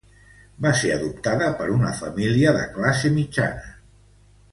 Va ser adoptada per una família de classe mitjana.